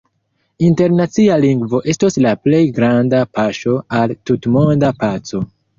Internacia Lingvo estos la plej granda paŝo al tutmonda paco.